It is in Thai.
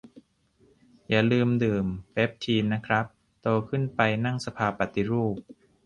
อย่าลืมดื่มเปปทีนนะครับ โตขึ้นไปนั่งสภาปฏิรูป